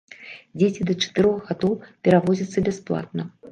Дзеці да чатырох гадоў перавозяцца бясплатна.